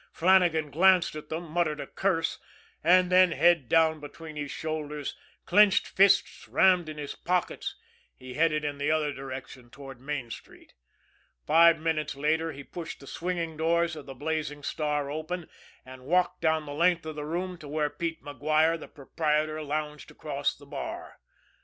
Flannagan glanced at them, muttered a curse; and then, head down between his shoulders, clenched fists rammed in his pockets, he headed in the other direction toward Main Street. Five minutes later, he pushed the swinging doors of the Blazing Star open, and walked down the length of the room to where Pete MacGuire, the proprietor, lounged across the bar.